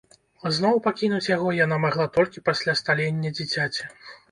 Зноў пакінуць яго яна магла толькі пасля сталення дзіцяці.